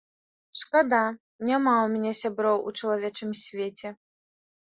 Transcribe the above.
Шкада, няма ў мяне сяброў у чалавечым свеце!